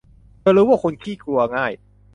เธอรู้ว่าคุณขี้กลัวง่าย